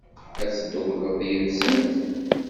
Ad teddukleḍ yid-sent?